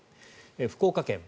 福岡県。